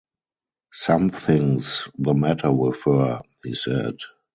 “Something’s the matter with her,” he said.